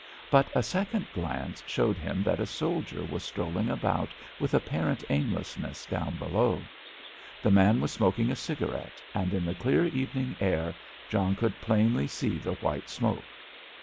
But a second glance showed him that a soldier was strolling about with apparent aimlessness down below. The man was smoking a cigarette, and in the clear evening air John could plainly see the white smoke.